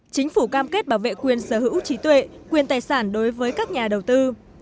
chính phủ cam kết bảo vệ quyền sở hữu trí tuệ quyền tài sản đối với các nhà đầu tư